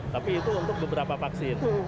tapi itu untuk beberapa vaksin